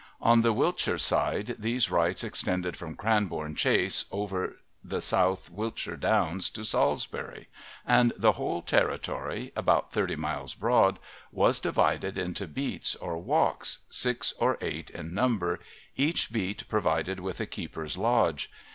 On the Wiltshire side these rights extended from Cranbourne Chase over the South Wiltshire Downs to Salisbury, and the whole territory, about thirty miles broad, was divided into beats or walks, six or eight in number, each beat provided with a keeper's lodge.